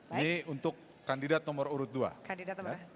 ini untuk kandidat nomor urut dua kandidat